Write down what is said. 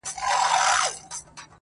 • له ګیدړ څخه یې وکړله پوښتنه -